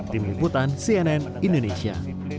tim liputan cnn indonesia